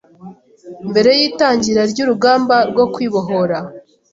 mbere y’itangira ry’urugamba rwo kwibohora